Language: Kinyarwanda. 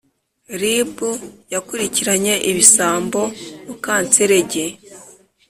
rib yakurikiranye ibisambo mu kanserege